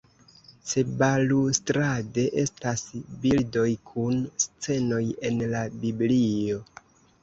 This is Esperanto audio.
Ĉebalustrade estas bildoj kun scenoj el la Biblio.